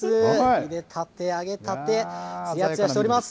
ゆでたて、あげたて、つやつやしています。